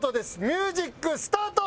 ミュージックスタート！